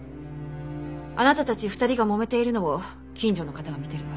あなたたち２人がもめているのを近所の方が見てるわ。